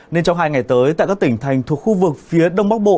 nên trong hai ngày tới tại các tỉnh thành thuộc khu vực phía đông bắc bộ